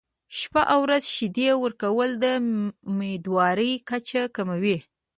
شپه او ورځ شیدې ورکول د امیندوارۍ کچه کموي.